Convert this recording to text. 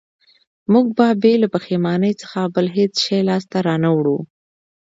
موږ به بې له پښېمانۍ څخه بل هېڅ شی لاسته را نه وړو